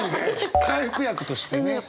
回復薬としてね。